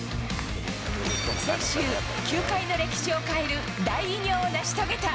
先週、球界の歴史を変える大偉業を成し遂げた。